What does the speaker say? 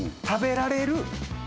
食べられる。